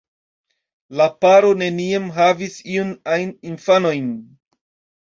La paro neniam havis iujn ajn infanojn.